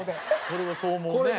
これはそう思うね。